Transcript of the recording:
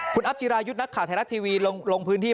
คุณอัพจิรายุทธ์นักข่าวไทยรัฐทีวีลงพื้นที่